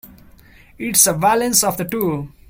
It's a balance of the two.